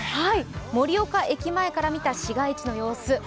盛岡駅前から見た市街地の様子。